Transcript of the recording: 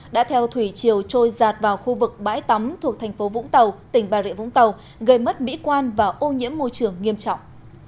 đã theo thủy chiều trôi giạt vào khu vực bãi tắm thuộc thành phố vũng tàu tỉnh bà rịa vũng tàu gây mất mỹ quan và ô nhiễm môi trường nghiêm trọng